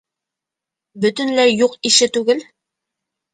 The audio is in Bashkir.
Бөтөнләй юҡ ише түгел.